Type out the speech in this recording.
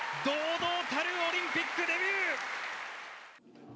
堂々たるオリンピックデビュー。